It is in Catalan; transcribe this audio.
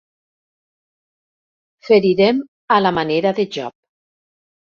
Ferirem a la manera de Job.